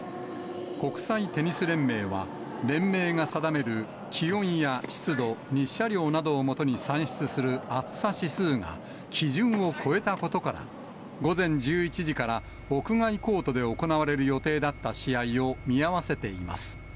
国際テニス連盟は、連盟が定める気温や湿度、日射量などを基に算出する暑さ指数が基準を超えたことから、午前１１時から、屋外コートで行われる予定だった試合を見合わせています。